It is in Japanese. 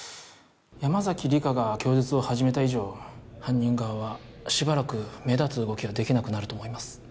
山崎莉果が供述を始めた以上犯人側はしばらく目立つ動きはできなくなると思います